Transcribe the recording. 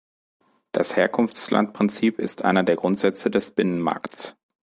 Das Herkunftslandprinzip ist einer der Grundsätze des Binnenmarkts.